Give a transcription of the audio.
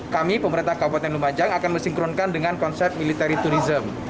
kami pemerintah kabupaten lumajang akan mensinkronkan dengan konsep military tourism